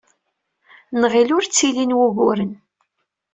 Nɣil ur d-ttilin wuguren.